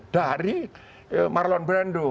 dari marlon brando